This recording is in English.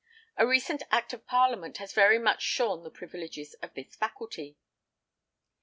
A recent Act of Parliament has very much shorn the privileges of this faculty .